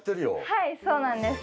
はいそうなんです。